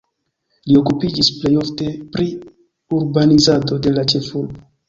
Li okupiĝis plej ofte pri urbanizado de la ĉefurbo.